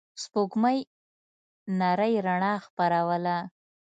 سپوږمۍ نرۍ رڼا خپروله.